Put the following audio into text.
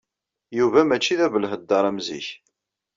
Yuba mačči d abelheddar am zik.